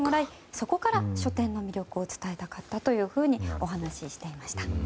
そこから書店の魅力を伝えたかったというふうにお話ししていました。